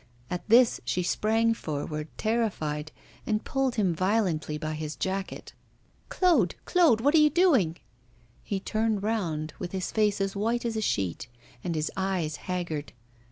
At this she sprang forward, terrified, and pulled him violently by his jacket. 'Claude! Claude! what are you doing?' He turned round, with his face as white as a sheet and his eyes haggard.